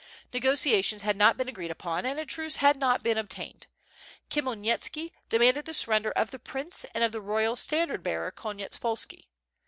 Negotiations had not been agreed upon, and a truce had not been obtained. Khmy elnitski demanded the surrender of the prince and of the royal standard bearer Konyetspolski.